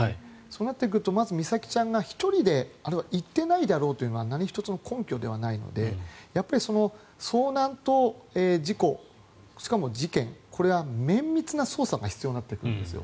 そうなってくるとまず美咲ちゃんが１人で行っていないだろうというのは何一つも根拠もないので遭難と事故しかも事件、これは綿密な捜査が必要になってくるんです。